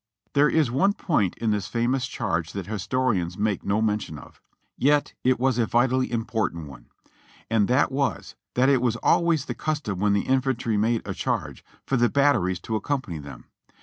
There is one point in this famous charge that historians make no mention of, yet it was a vitally important one ; and that was, that it was always the custom when the infantry made a charge for the batteries to accompany them.